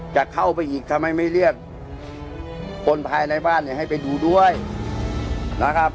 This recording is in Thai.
จะเข้าไปอีกทำไมไม่เรียกคนภายในบ้านเนี่ยให้ไปดูด้วยนะครับ